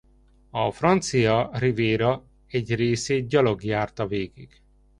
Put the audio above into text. A francia Riviéra egy részét gyalog járta végig.